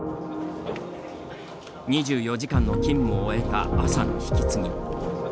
２４時間の勤務を終えた朝の引き継ぎ。